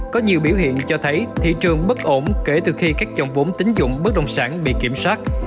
có nhiều biểu hiện cho thấy thị trường bất ổn kể từ khi các chồng vốn tín dụng bất động sản bị kiểm soát